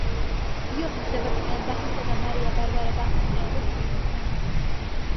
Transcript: იოჰან სებასტიან ბახისა და მარია ბარბარა ბახის მეორე შვილი.